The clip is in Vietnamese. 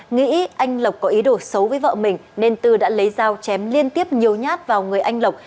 nghĩ anh lộc có ý đồ xấu với vợ mình nên tư đã lấy dao chém liên tiếp nhiều nhát vào người anh lộc